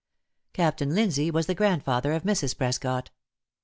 Captain Linzee was the grandfather of Mrs. Prescott.